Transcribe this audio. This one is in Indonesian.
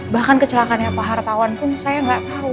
bahkan kecelakaan yang pak hartawan pun saya gak tau